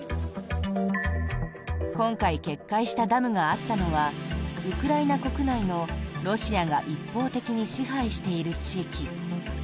今回決壊したダムがあったのはウクライナ国内のロシアが一方的に支配している地域。